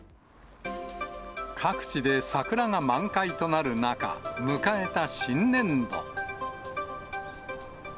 各地で桜が満開となる中、迎えた新年度。